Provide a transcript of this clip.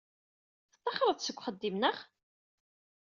Tettaxreḍ-d seg uxeddim, naɣ?